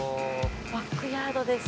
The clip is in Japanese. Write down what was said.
バックヤードです。